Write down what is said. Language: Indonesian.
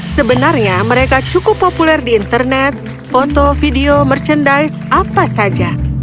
sebenarnya mereka cukup populer di internet foto video merchandise apa saja